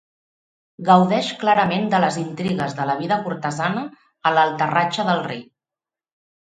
Gaudeix clarament de les intrigues de la vida cortesana a l'aterratge del rei.